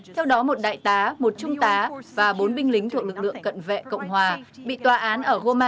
theo đó một đại tá một trung tá và bốn binh lính thuộc lực lượng cận vệ cộng hòa bị tòa án ở goma